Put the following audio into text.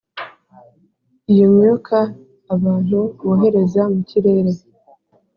iyo myuka abantu bohereza mu kirere,